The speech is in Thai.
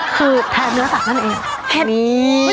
คือแท้เนื้อสัตว์นั่นเอง